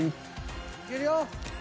いけるよ！